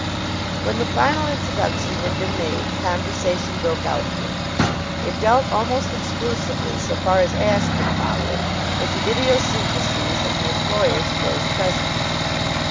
When the final introduction had been made conversation broke out again. It dealt almost exclusively, so far as Ashe could follow it, with the idiosyncrasies of the employers of those present.